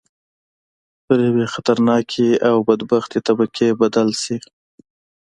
پر یوې خطرناکې او بدبختې طبقې بدل شي.